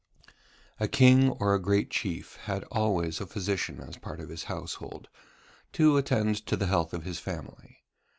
A king or a great chief had always a physician as part of his household, to attend to the health of his family.